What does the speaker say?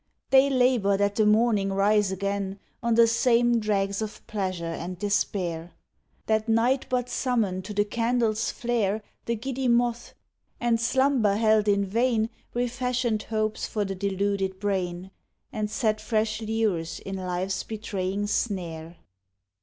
They labor that the morning rise again On the same dregs of pleasure and despair; That night but summon to the candle s flare The giddy moth, and slumber held in vain Refashioned hopes for the deluded brain, And set fresh lures in life s betraying snare.